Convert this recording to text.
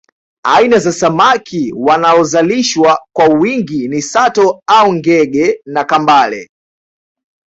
Aina za samaki wanaozalishwa kwa wingi ni sato au ngege na kambale